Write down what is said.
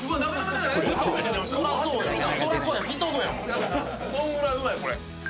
そんぐらいうまい、これ。